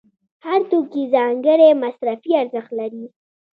هر توکی خپل ځانګړی مصرفي ارزښت لري